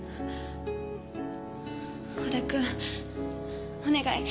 織田くんお願い。